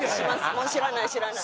もう知らない知らない。